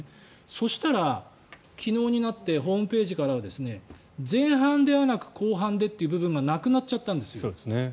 そうしたら、昨日になってホームページからは前半ではなく後半でという部分がなくなっちゃったんですよ。